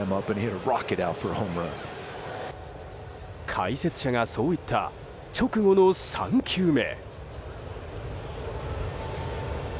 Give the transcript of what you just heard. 解説者がそう言った直後の３球目。